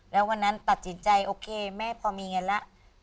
แล้ววันนั้นตัดสินใจโอเคแม่พอมีเงินแล้ว